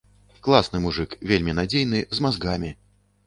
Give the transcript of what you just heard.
Класны мужык, вельмі надзейны, з мазгамі.